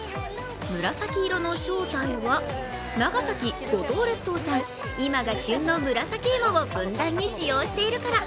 紫色の正体は長崎・五島列島産、今が旬の紫芋をふんだんに使用しているから。